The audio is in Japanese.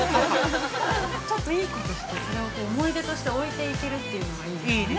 ◆ちょっといいことして、それを思い出として置いていけるというのがいいですね。